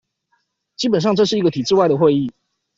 基本上這是一個體制外的會議